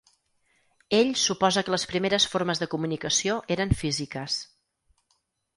Ell suposa que les primeres formes de comunicació eren físiques.